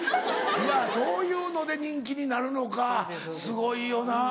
いやそういうので人気になるのかすごいよな。